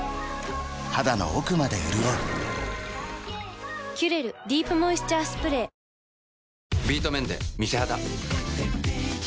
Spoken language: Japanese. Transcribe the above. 肌の奥まで潤う「キュレルディープモイスチャースプレー」男性）